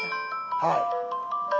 はい。